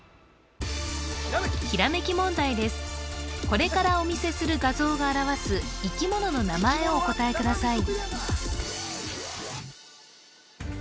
これからお見せする画像が表す生き物の名前をお答えください